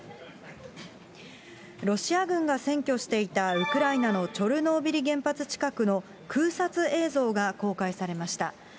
ロシア軍が占拠していたウクライナのチョルノービリ原発近くの空撮映像が公開されました。